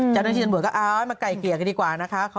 จากนั้นที่ส่วนบุหร์ก็มาไกลเกียรติกันดีกว่านะคะ